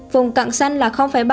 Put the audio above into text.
vùng cặn xanh là ba